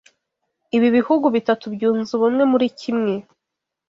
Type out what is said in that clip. Ibi bihugu bitatu byunze ubumwe muri kimwe.